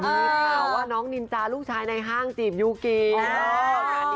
มีข่าวว่าน้องนินจาลูกชายในห้างจีบยูกิ